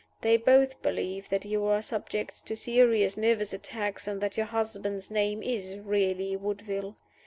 They both believe that you are subject to serious nervous attacks, and that your husband's name is really Woodville.